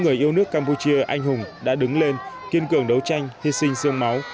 người yêu nước campuchia anh hùng đã đứng lên kiên cường đấu tranh hy sinh sương máu